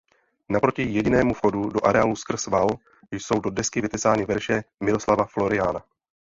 Naproti jedinému vchodu do areálu skrz val jsou do desky vytesány verše Miroslava Floriana.